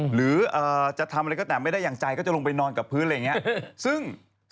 หรือจะทำอะไรก็แต่ไม่ได้อย่างใจก็จะลงไปนอนกับพื้นอะไรอย่างนี้